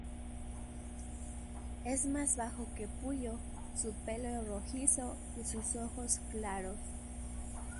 Es más bajo que Pullo, su pelo es rojizo y sus ojos claros.